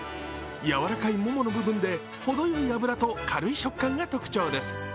やわらかいももの部分でほどよい脂と軽い食感が特徴です。